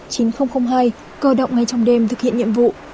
chín nghìn hai cơ động ngay trong đêm thực hiện nhiệm vụ